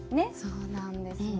そうなんですね。